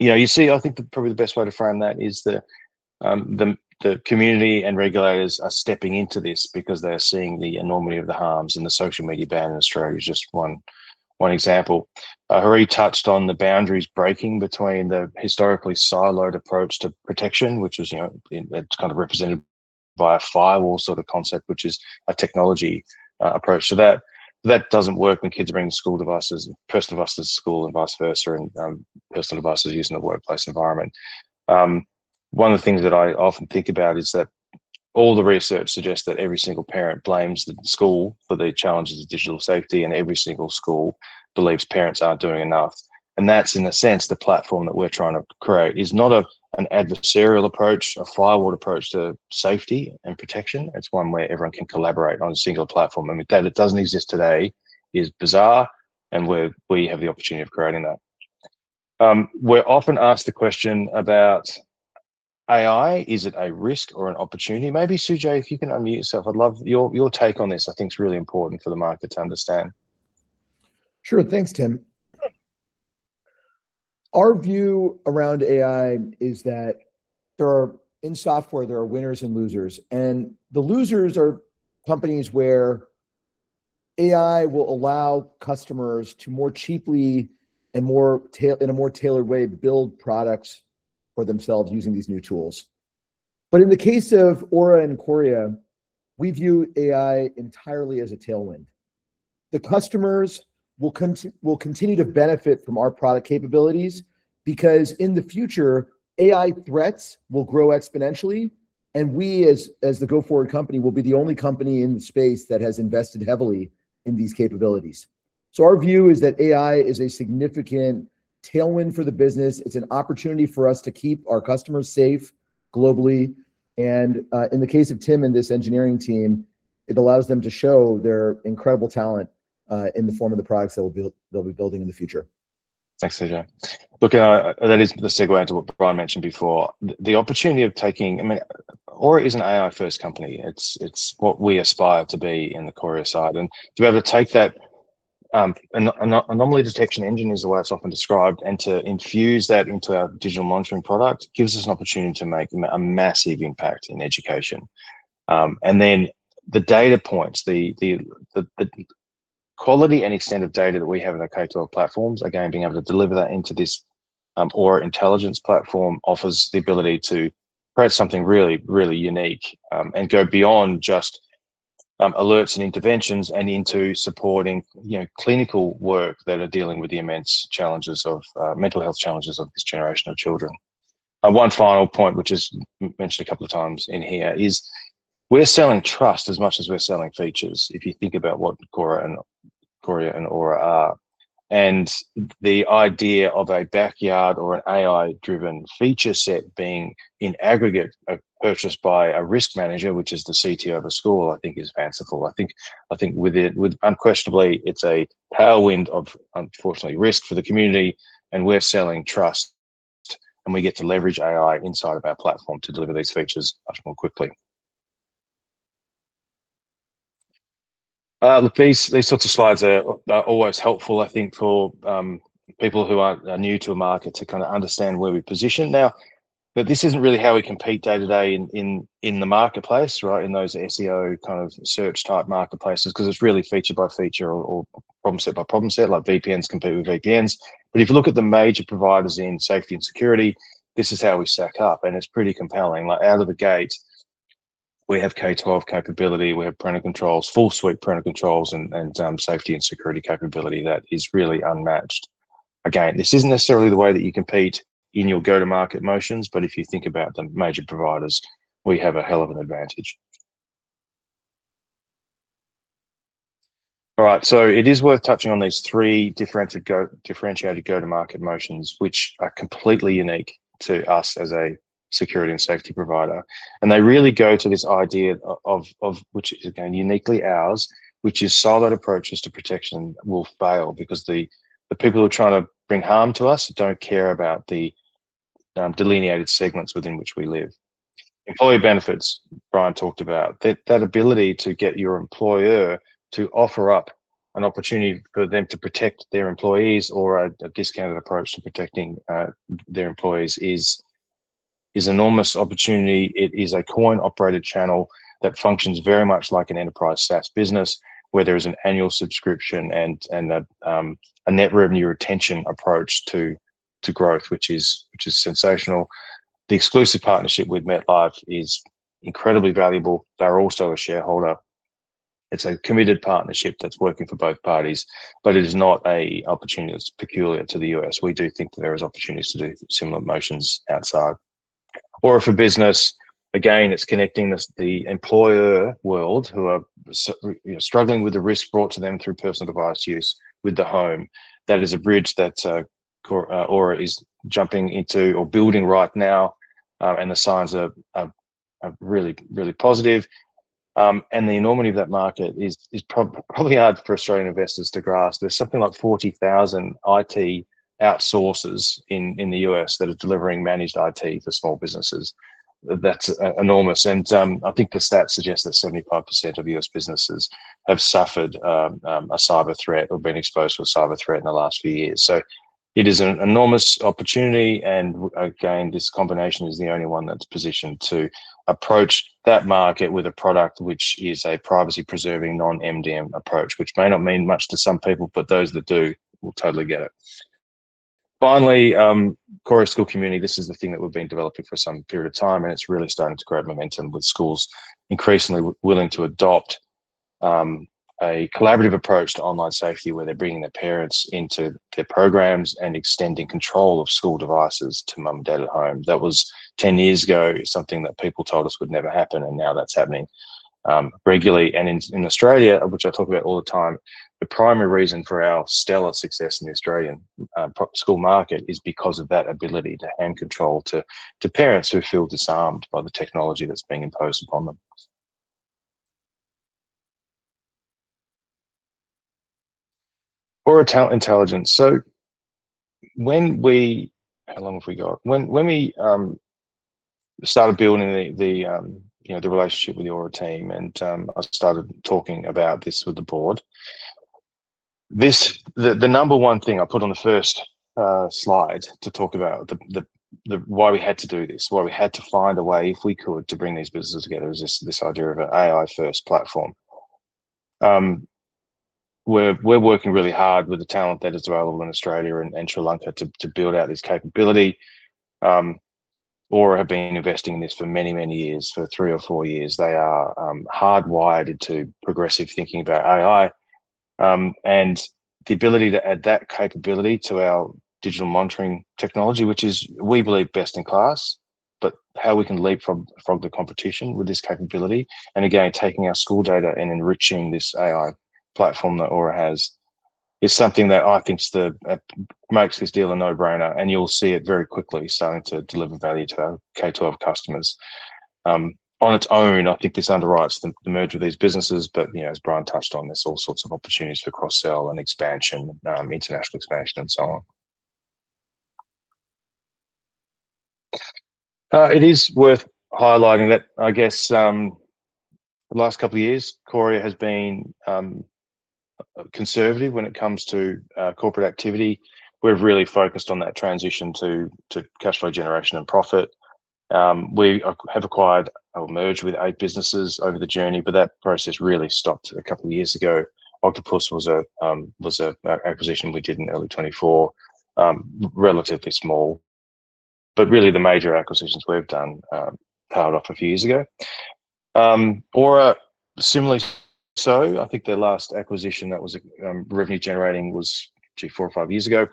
You see, I think probably the best way to frame that is the community and regulators are stepping into this because they're seeing the enormity of the harms. And the social media ban in Australia is just one example. Hari touched on the boundaries breaking between the historically siloed approach to protection, which is kind of represented by a firewall sort of concept, which is a technology approach. So that doesn't work when kids are bringing personal devices to school and vice versa, and personal devices are used in the workplace environment. One of the things that I often think about is that all the research suggests that every single parent blames the school for the challenges of digital safety. Every single school believes parents aren't doing enough. That's, in a sense, the platform that we're trying to create. It's not an adversarial approach, a firewall approach to safety and protection. It's one where everyone can collaborate on a single platform. That it doesn't exist today is bizarre. We have the opportunity of creating that. We're often asked the question about AI, is it a risk or an opportunity? Maybe, Sujay, if you can unmute yourself, I'd love your take on this. I think it's really important for the market to understand. Sure. Thanks, Tim. Our view around AI is that in software, there are winners and losers. The losers are companies where AI will allow customers to more cheaply and in a more tailored way build products for themselves using these new tools. In the case of Aura and Qoria, we view AI entirely as a tailwind. The customers will continue to benefit from our product capabilities because in the future, AI threats will grow exponentially. We, as the go-forward company, will be the only company in the space that has invested heavily in these capabilities. Our view is that AI is a significant tailwind for the business. It's an opportunity for us to keep our customers safe globally. In the case of Tim and this engineering team, it allows them to show their incredible talent in the form of the products they'll be building in the future. Thanks, Sujay. Look, that is the segue into what Brian mentioned before. The opportunity of taking—I mean, Aura is an AI-first company. It's what we aspire to be in the Qoria side. And to be able to take that—an anomaly detection engine is the way it's often described—and to infuse that into our digital monitoring product gives us an opportunity to make a massive impact in education. And then the data points, the quality and extent of data that we have in our K-12 platforms, again, being able to deliver that into this Aura Intelligence platform offers the ability to create something really, really unique and go beyond just alerts and interventions and into supporting clinical work that are dealing with the immense mental health challenges of this generation of children. One final point, which is mentioned a couple of times in here, is we're selling trust as much as we're selling features, if you think about what Qoria and Aura are. And the idea of a backyard or an AI-driven feature set being in aggregate purchased by a risk manager, which is the CTO of a school, I think, is fanciful. I think, unquestionably, it's a tailwind of, unfortunately, risk for the community. And we're selling trust. And we get to leverage AI inside of our platform to deliver these features much more quickly. Look, these sorts of slides are always helpful, I think, for people who aren't new to a market to kind of understand where we position now. But this isn't really how we compete day to day in the marketplace, right, in those SEO kind of search-type marketplaces, because it's really feature by feature or problem set by problem set, like VPNs compete with VPNs. But if you look at the major providers in safety and security, this is how we stack up. And it's pretty compelling. Out of the gate, we have K-12 capability. We have parental controls, full suite parental controls, and safety and security capability that is really unmatched. Again, this isn't necessarily the way that you compete in your go-to-market motions. But if you think about the major providers, we have a hell of an advantage. All right. So it is worth touching on these three differentiated go-to-market motions, which are completely unique to us as a security and safety provider. And they really go to this idea of, which is, again, uniquely ours, which is siloed approaches to protection will fail because the people who are trying to bring harm to us don't care about the delineated segments within which we live. Employee benefits Brian talked about. That ability to get your employer to offer up an opportunity for them to protect their employees or a discounted approach to protecting their employees is enormous opportunity. It is a coin-operated channel that functions very much like an enterprise SaaS business, where there is an annual subscription and a net revenue retention approach to growth, which is sensational. The exclusive partnership with MetLife is incredibly valuable. They're also a shareholder. It's a committed partnership that's working for both parties. But it is not an opportunity that's peculiar to the U.S. We do think that there are opportunities to do similar motions outside. Aura for Business, again, it's connecting the employer world who are struggling with the risk brought to them through personal device use with the home. That is a bridge that Aura is jumping into or building right now. And the signs are really, really positive. And the enormity of that market is probably hard for Australian investors to grasp. There's something like 40,000 IT outsourcers in the U.S. that are delivering managed IT for small businesses. That's enormous. And I think the stats suggest that 75% of U.S. businesses have suffered a cyber threat or been exposed to a cyber threat in the last few years. So it is an enormous opportunity. And again, this combination is the only one that's positioned to approach that market with a product which is a privacy-preserving non-MDM approach, which may not mean much to some people. But those that do will totally get it. Finally, Qoria school community, this is the thing that we've been developing for some period of time. It's really starting to grab momentum with schools increasingly willing to adopt a collaborative approach to online safety, where they're bringing their parents into their programs and extending control of school devices to mum and dad at home. That was, 10 years ago, something that people told us would never happen. Now that's happening regularly. In Australia, which I talk about all the time, the primary reason for our stellar success in the Australian school market is because of that ability to hand control to parents who feel disarmed by the technology that's being imposed upon them. Aura Intelligence. So how long have we got? When we started building the relationship with the Aura team and I started talking about this with the board, the number one thing I put on the first slide to talk about why we had to do this, why we had to find a way, if we could, to bring these businesses together is this idea of an AI-first platform. We're working really hard with the talent that is available in Australia and Sri Lanka to build out this capability. Aura have been investing in this for many, many years, for three or four years. They are hardwired into progressive thinking about AI. And the ability to add that capability to our digital monitoring technology, which is, we believe, best in class. But how we can leapfrog the competition with this capability and, again, taking our school data and enriching this AI platform that Aura has is something that I think makes this deal a no-brainer. And you'll see it very quickly starting to deliver value to our K-12 customers. On its own, I think this underwrites the merger of these businesses. But as Brian touched on, there's all sorts of opportunities for cross-sell and international expansion and so on. It is worth highlighting that, I guess, the last couple of years, Qoria has been conservative when it comes to corporate activity. We've really focused on that transition to cash flow generation and profit. We have acquired or merged with eight businesses over the journey. But that process really stopped a couple of years ago. OctopusBI was an acquisition we did in early 2024, relatively small. But really, the major acquisitions we've done piled off a few years ago. Aura, similarly, so. I think their last acquisition that was revenue generating was, actually, four or five years ago.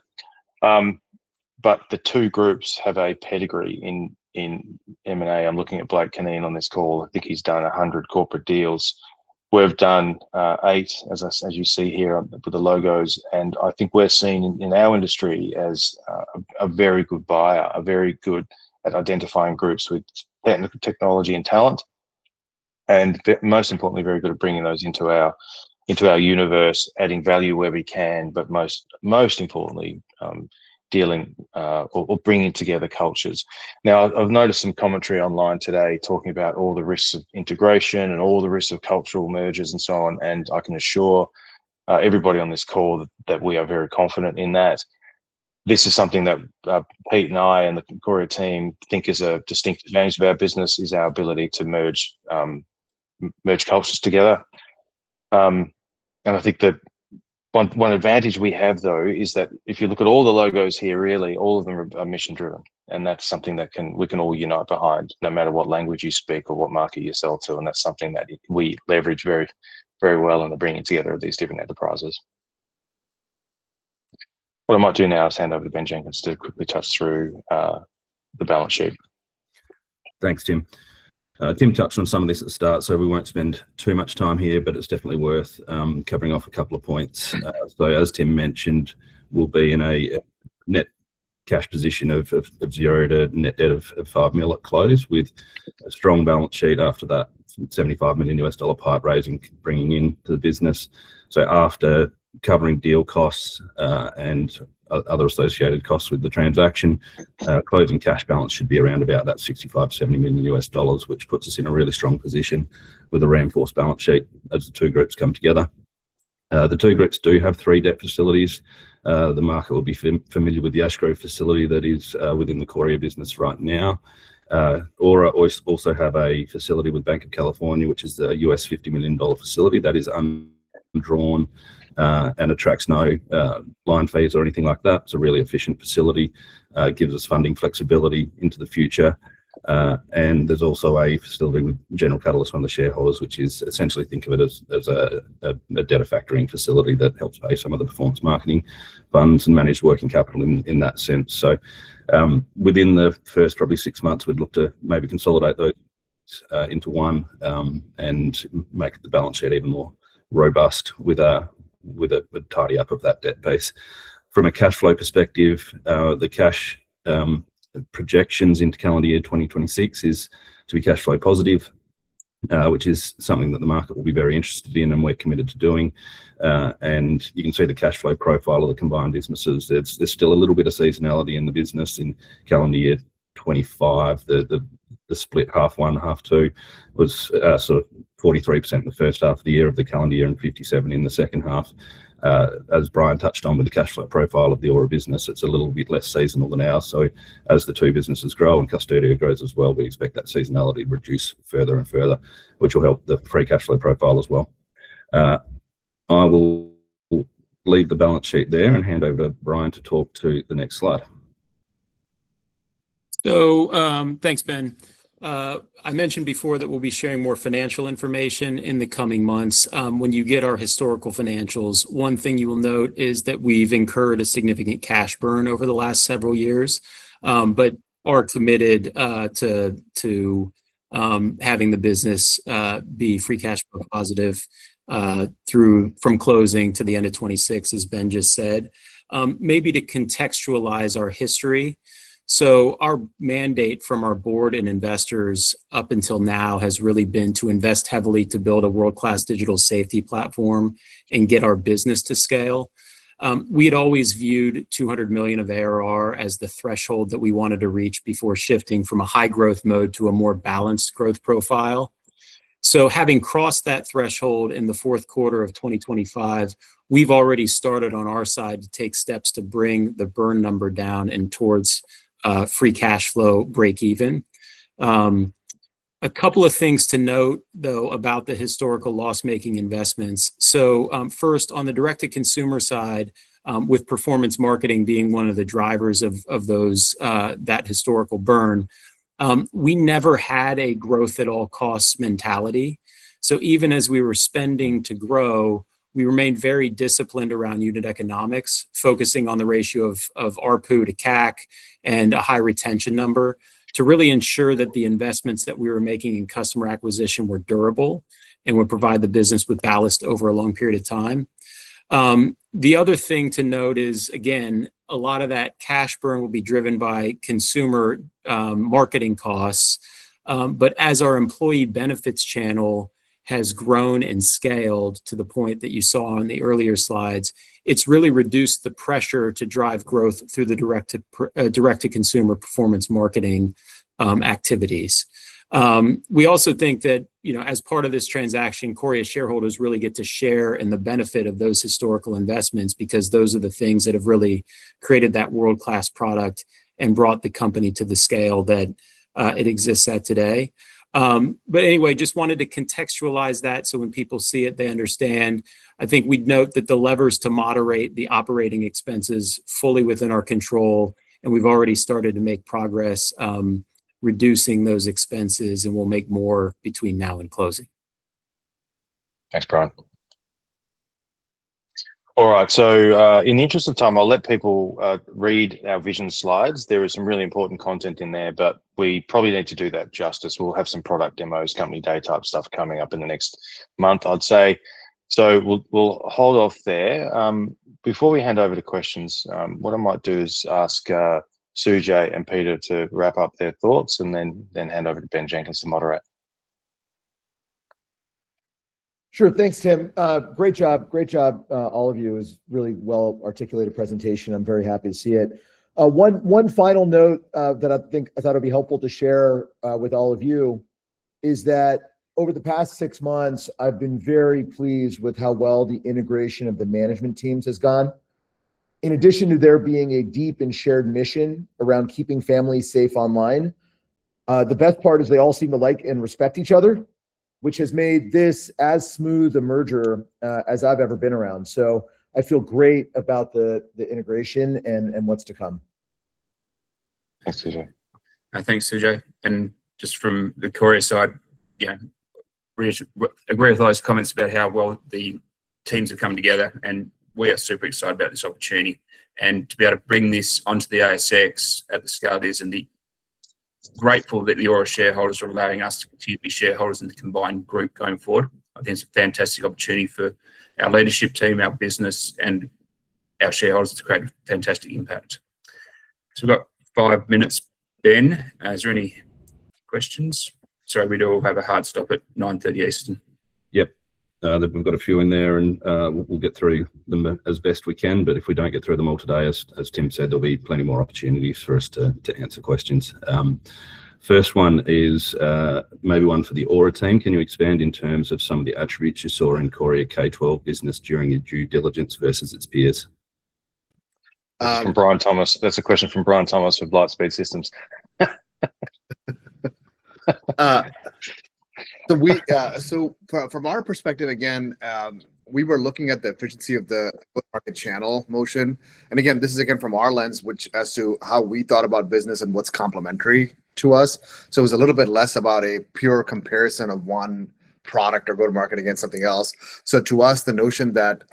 But the two groups have a pedigree in M&A. I'm looking at Blake Cunneen on this call. I think he's done 100 corporate deals. We've done eight, as you see here with the logos. And I think we're seen in our industry as a very good buyer, very good at identifying groups with technology and talent. And most importantly, very good at bringing those into our universe, adding value where we can, but most importantly, bringing together cultures. Now, I've noticed some commentary online today talking about all the risks of integration and all the risks of cultural mergers and so on. And I can assure everybody on this call that we are very confident in that. This is something that Pete and I and the Qoria team think is a distinctive advantage of our business, is our ability to merge cultures together. And I think that one advantage we have, though, is that if you look at all the logos here, really, all of them are mission-driven. And that's something that we can all unite behind, no matter what language you speak or what market you sell to. And that's something that we leverage very well in the bringing together of these different enterprises. What I might do now is hand over to Ben Jenkins to quickly touch through the balance sheet. Thanks, Tim. Tim touched on some of this at the start. So we won't spend too much time here. But it's definitely worth covering off a couple of points. So as Tim mentioned, we'll be in a net cash position of zero to net debt of $5 million at close with a strong balance sheet after that, $75 million PIPE raising, bringing in to the business. So after covering deal costs and other associated costs with the transaction, closing cash balance should be around about that $65 million-$70 million, which puts us in a really strong position with a reinforced balance sheet as the two groups come together. The two groups do have three debt facilities. The market will be familiar with the Ashgrove facility that is within the Qoria business right now. Aura also have a facility with Banc of California, which is a $50 million facility that is undrawn and attracts no line fees or anything like that. It's a really efficient facility, gives us funding flexibility into the future. And there's also a facility with General Catalyst, one of the shareholders, which is essentially think of it as a debt factoring facility that helps pay some of the performance marketing funds and manage working capital in that sense. So within the first, probably, six months, we'd look to maybe consolidate those into one and make the balance sheet even more robust with a tidy-up of that debt base. From a cash flow perspective, the cash projections into calendar year 2026 is to be cash flow positive, which is something that the market will be very interested in and we're committed to doing. And you can see the cash flow profile of the combined businesses. There's still a little bit of seasonality in the business in calendar year 2025. The split half one, half two was sort of 43% in the first half of the year of the calendar year and 57% in the second half. As Brian touched on with the cash flow profile of the Aura business, it's a little bit less seasonal than ours. So as the two businesses grow and Qustodio grows as well, we expect that seasonality to reduce further and further, which will help the free cash flow profile as well. I will leave the balance sheet there and hand over to Brian to talk to the next slide. So thanks, Ben. I mentioned before that we'll be sharing more financial information in the coming months. When you get our historical financials, one thing you will note is that we've incurred a significant cash burn over the last several years. But our commitment to having the business be free cash flow positive from closing to the end of 2026, as Ben just said, may be to contextualize our history. So our mandate from our board and investors up until now has really been to invest heavily to build a world-class digital safety platform and get our business to scale. We had always viewed $200 million of ARR as the threshold that we wanted to reach before shifting from a high-growth mode to a more balanced growth profile. Having crossed that threshold in the fourth quarter of 2025, we've already started on our side to take steps to bring the burn number down and towards free cash flow break-even. A couple of things to note, though, about the historical loss-making investments. First, on the direct-to-consumer side, with performance marketing being one of the drivers of that historical burn, we never had a growth-at-all-costs mentality. Even as we were spending to grow, we remained very disciplined around unit economics, focusing on the ratio of ARPU to CAC and a high retention number to really ensure that the investments that we were making in customer acquisition were durable and would provide the business with ballast over a long period of time. The other thing to note is, again, a lot of that cash burn will be driven by consumer marketing costs. But as our employee benefits channel has grown and scaled to the point that you saw on the earlier slides, it's really reduced the pressure to drive growth through the direct-to-consumer performance marketing activities. We also think that as part of this transaction, Qoria shareholders really get to share in the benefit of those historical investments because those are the things that have really created that world-class product and brought the company to the scale that it exists at today. But anyway, just wanted to contextualize that so when people see it, they understand. I think we'd note that the levers to moderate the operating expenses are fully within our control. And we've already started to make progress reducing those expenses. And we'll make more between now and closing. Thanks, Brian. All right. So in the interest of time, I'll let people read our vision slides. There is some really important content in there. But we probably need to do that justice. We'll have some product demos, company day-type stuff coming up in the next month, I'd say. So we'll hold off there. Before we hand over to questions, what I might do is ask Sujay and Peter to wrap up their thoughts and then hand over to Ben Jenkins to moderate. Sure. Thanks, Tim. Great job. Great job, all of you. It was a really well-articulated presentation. I'm very happy to see it. One final note that I thought would be helpful to share with all of you is that over the past six months, I've been very pleased with how well the integration of the management teams has gone. In addition to there being a deep and shared mission around keeping families safe online, the best part is they all seem to like and respect each other, which has made this as smooth a merger as I've ever been around. So I feel great about the integration and what's to come. Thanks, Sujay. Thanks, Sujay. Just from the Qoria side, I agree with those comments about how well the teams have come together. We are super excited about this opportunity. To be able to bring this onto the ASX at the scale it is, and grateful that the Aura shareholders are allowing us to continue to be shareholders in the combined group going forward. I think it's a fantastic opportunity for our leadership team, our business, and our shareholders to create a fantastic impact. We've got five minutes, Ben. Is there any questions? Sorry, we do have a hard stop at 9:30 A.M. Eastern. Yep. We've got a few in there. We'll get through them as best we can. If we don't get through them all today, as Tim said, there'll be plenty more opportunities for us to answer questions. First one is maybe one for the Aura team. Can you expand in terms of some of the attributes you saw in Qoria K-12 business during your due diligence versus its peers? From Brian Thomas. That's a question from Brian Thomas with Lightspeed Systems. So from our perspective, again, we were looking at the efficiency of the go-to-market channel motion. And again, this is again from our lens, as to how we thought about business and what's complementary to us. So it was a little bit less about a pure comparison of one product or go-to-market against something else. So to us, the notion that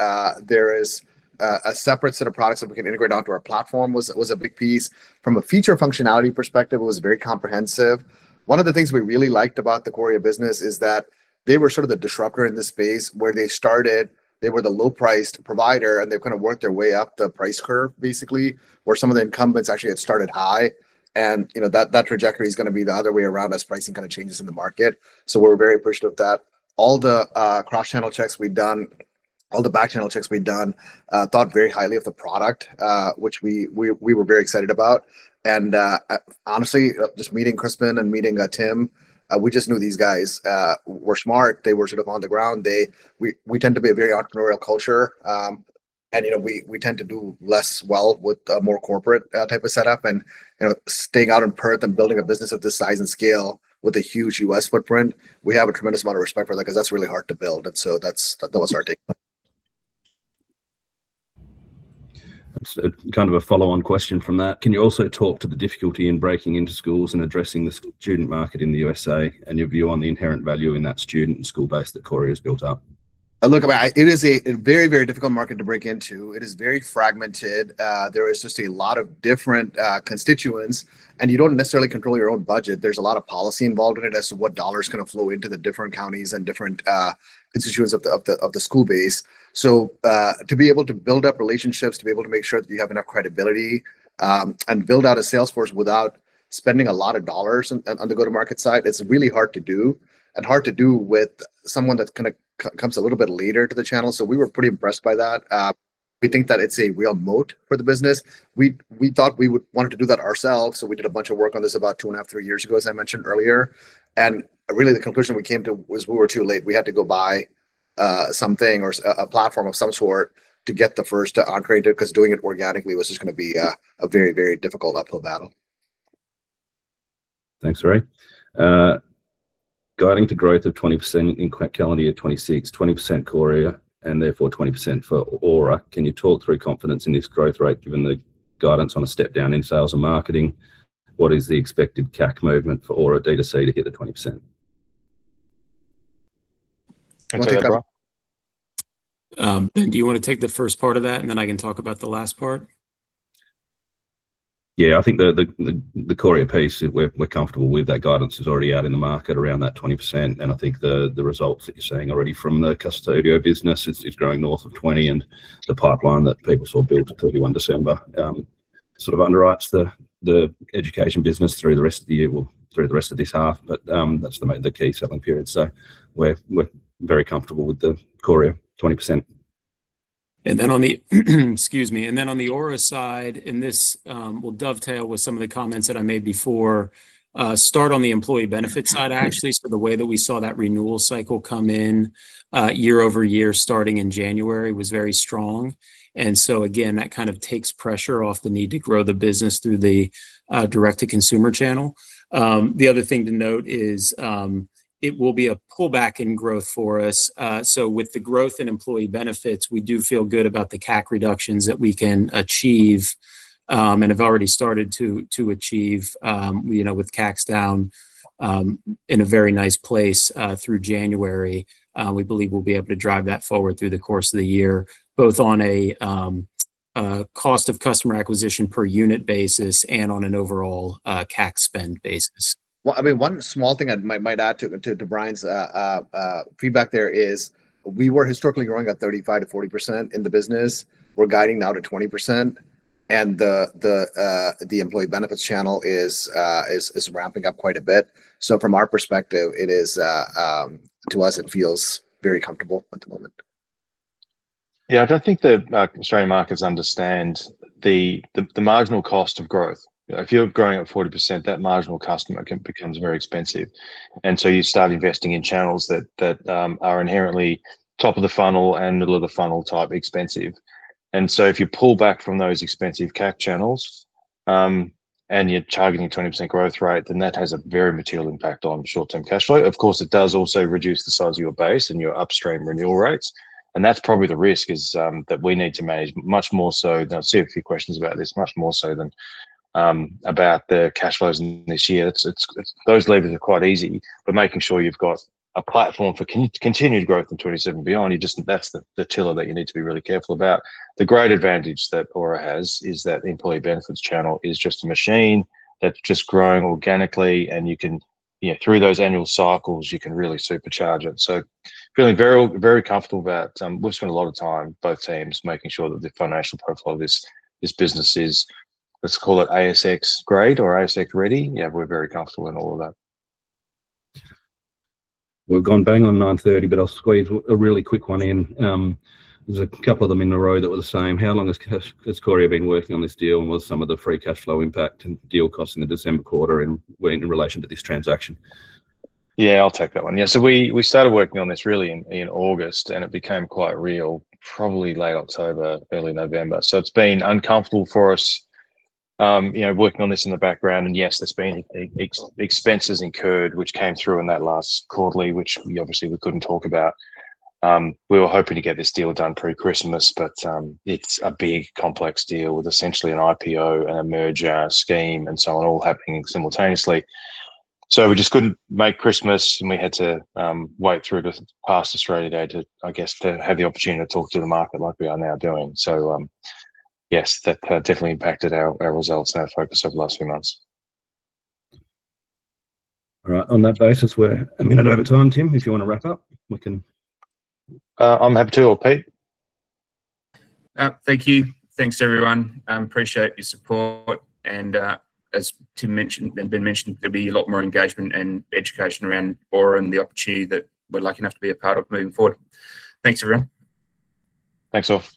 there is a separate set of products that we can integrate onto our platform was a big piece. From a feature functionality perspective, it was very comprehensive. One of the things we really liked about the Qoria business is that they were sort of the disruptor in this space where they started. They were the low-priced provider. And they've kind of worked their way up the price curve, basically, where some of the incumbents actually had started high. That trajectory is going to be the other way around as pricing kind of changes in the market. So we're very appreciative of that. All the cross-channel checks we'd done, all the back-channel checks we'd done, thought very highly of the product, which we were very excited about. And honestly, just meeting Crispin and meeting Tim, we just knew these guys were smart. They were sort of on the ground. We tend to be a very entrepreneurial culture. And we tend to do less well with a more corporate type of setup. And staying out in Perth and building a business of this size and scale with a huge U.S. footprint, we have a tremendous amount of respect for that because that's really hard to build. And so that was our takeaway. Kind of a follow-on question from that. Can you also talk to the difficulty in breaking into schools and addressing the student market in the USA and your view on the inherent value in that student and school base that Qoria has built up? Look, it is a very, very difficult market to break into. It is very fragmented. There is just a lot of different constituents. You don't necessarily control your own budget. There's a lot of policy involved in it as to what dollars are going to flow into the different counties and different constituents of the school base. So to be able to build up relationships, to be able to make sure that you have enough credibility, and build out a sales force without spending a lot of dollars on the go-to-market side, it's really hard to do and hard to do with someone that kind of comes a little bit later to the channel. So we were pretty impressed by that. We think that it's a real moat for the business. We thought we would wanted to do that ourselves. So we did a bunch of work on this about 2.5-3 years ago, as I mentioned earlier. Really, the conclusion we came to was we were too late. We had to go buy something or a platform of some sort to get the first to operate it because doing it organically was just going to be a very, very difficult uphill battle. Thanks, Hari. Guiding to growth of 20% in calendar year 2026, 20% Qoria, and therefore 20% for Aura. Can you talk through confidence in this growth rate given the guidance on a step down in sales and marketing? What is the expected CAC movement for Aura D2C to hit the 20%? Ben, do you want to take the first part of that? And then I can talk about the last part. Yeah. I think the Qoria piece, we're comfortable with. That guidance is already out in the market around that 20%. And I think the results that you're saying already from the Qustodio business is growing north of 20%. And the pipeline that people saw built to 31 December sort of underwrites the education business through the rest of the year well, through the rest of this half. But that's the key selling period. So we're very comfortable with the Qoria 20%. Then on the Aura side, and this will dovetail with some of the comments that I made before, start on the employee benefit side, actually. So the way that we saw that renewal cycle come in year-over-year, starting in January, was very strong. And so again, that kind of takes pressure off the need to grow the business through the direct-to-consumer channel. The other thing to note is it will be a pullback in growth for us. So with the growth in employee benefits, we do feel good about the CAC reductions that we can achieve and have already started to achieve with CACs down in a very nice place through January. We believe we'll be able to drive that forward through the course of the year, both on a cost of customer acquisition per unit basis and on an overall CAC spend basis. Well, I mean, one small thing I might add to Brian's feedback there is we were historically growing at 35%-40% in the business. We're guiding now to 20%. And the employee benefits channel is ramping up quite a bit. So from our perspective, to us, it feels very comfortable at the moment. Yeah. I don't think the Australian markets understand the marginal cost of growth. If you're growing at 40%, that marginal customer becomes very expensive. And so you start investing in channels that are inherently top of the funnel and middle of the funnel type expensive. And so if you pull back from those expensive CAC channels and you're targeting a 20% growth rate, then that has a very material impact on short-term cash flow. Of course, it does also reduce the size of your base and your upstream renewal rates. And that's probably the risk. We need to manage much more so now. I'll see a few questions about this, much more so than about the cash flows in this year. Those levers are quite easy. But making sure you've got a platform for continued growth in 2027 beyond, that's the tiller that you need to be really careful about. The great advantage that Aura has is that the employee benefits channel is just a machine that's just growing organically. And through those annual cycles, you can really supercharge it. So feeling very comfortable about we've spent a lot of time, both teams, making sure that the financial profile of this business is, let's call it, ASX-grade or ASX-ready. We're very comfortable in all of that. We've gone bang on 9:30 A.M. But I'll squeeze a really quick one in. There's a couple of them in a row that were the same. How long has Qoria been working on this deal? And what's some of the free cash flow impact and deal costs in the December quarter in relation to this transaction? Yeah. I'll take that one. Yeah. So we started working on this really in August. And it became quite real probably late October, early November. So it's been uncomfortable for us working on this in the background. And yes, there's been expenses incurred, which came through in that last quarterly, which obviously, we couldn't talk about. We were hoping to get this deal done pre-Christmas. But it's a big, complex deal with essentially an IPO and a merger scheme and so on all happening simultaneously. So we just couldn't make Christmas. And we had to wait through the past Australia Day to, I guess, have the opportunity to talk to the market like we are now doing. So yes, that definitely impacted our results and our focus over the last few months. All right. On that basis, we're a minute over time, Tim. If you want to wrap up, we can. I'm happy to. Or Pete? Thank you. Thanks, everyone. Appreciate your support. As Tim mentioned, there'll be a lot more engagement and education around Aura and the opportunity that we're lucky enough to be a part of moving forward. Thanks, everyone. Thanks all.